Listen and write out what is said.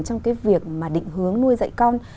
trong cái việc mà định hướng nuôi dạy con